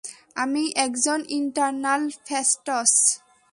আমি একজন ইটারনাল, ফ্যাসটস।